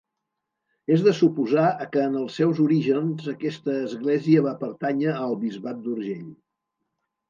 És de suposar que en els seus orígens aquesta església va pertànyer al bisbat d'Urgell.